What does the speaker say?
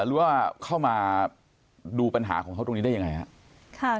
หรือว่าเข้ามาดูปัญหาของเขาตรงนี้ได้ยังไงครับ